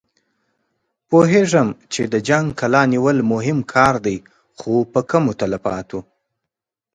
پوهېږم چې د جنګي کلا نيول مهم کار دی، خو په کمو تلفاتو.